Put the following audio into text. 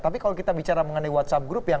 tapi kalau kita bicara mengenai whatsapp group yang